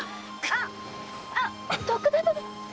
あ徳田殿！